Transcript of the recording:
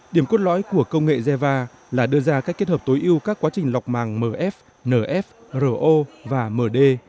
điểm cốt lõi của công nghệ zeva là đưa ra cách kết hợp tối ưu các quá trình lọc màng mf nf ro và md